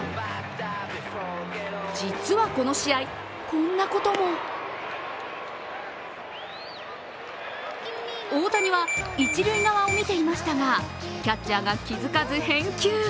実はこの試合、こんなことも大谷は一塁側を見ていましたがキャッチャーが気付かず返球。